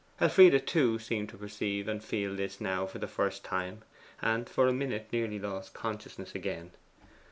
Elfride, too, seemed to perceive and feel this now for the first time, and for a minute nearly lost consciousness again.